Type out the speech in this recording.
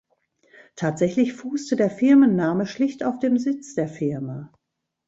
Tatsächlich fußte der Firmenname schlicht auf dem Sitz der Firma.